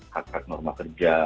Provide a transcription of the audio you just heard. hak hak norma kerja